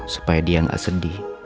supaya dia gak sedih